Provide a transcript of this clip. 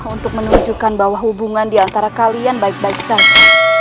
untuk menunjukkan bahwa hubungan diantara kalian baik baik saja